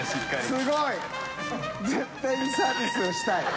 すごい！絶対にサービスをしたい。